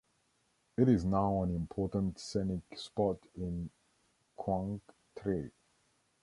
It is now an important scenic spot in Quảng Trị.